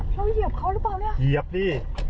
เหยียบเขาหรือเปล่าเนี่ยเหยียบสิ